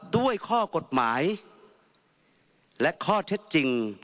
ด้วยข้อกฎหมายและข้อเท็จจริง